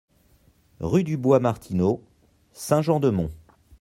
Rue du Bois Martineau, Saint-Jean-de-Monts